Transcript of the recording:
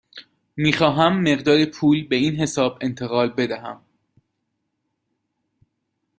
می خواهم مقداری پول به این حساب انتقال بدهم.